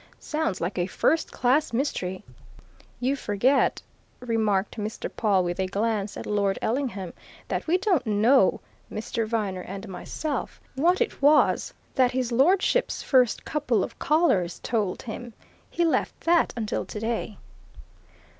Sounds like a first class mystery!" "You forget," remarked Mr. Pawle with a glance at Lord Ellingham, "that we don't know Mr. Viner and myself what it was that his lordship's first couple of callers told him. He left that until today."